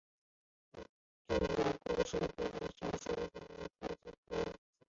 具有此故事背景的小说合称为伊库盟系列。